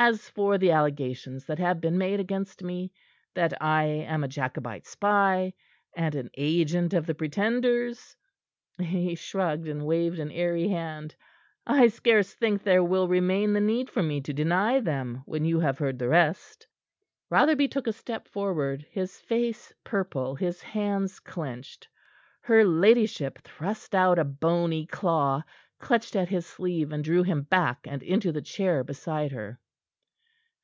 As for the allegations that have been made against me that I am a Jacobite spy and an agent of the Pretender's " He shrugged, and waved an airy hand. "I scarce think there will remain the need for me to deny them when you have heard the rest." Rotherby took a step forward, his face purple, his hands clenched. Her ladyship thrust out a bony claw, clutched at his sleeve, and drew him back and into the chair beside her.